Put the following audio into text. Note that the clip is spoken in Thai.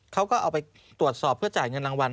เขาก็เอาไปตรวจสอบเพื่อจ่ายเงินรางวัล